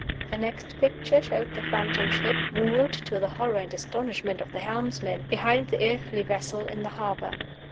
The next picture showed the Phantom Ship, moored (to the horror and astonishment of the helmsman) behind the earthly vessel in the harbor.